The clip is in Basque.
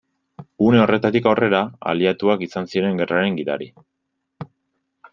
Une horretatik aurrera, aliatuak izan ziren gerraren gidari.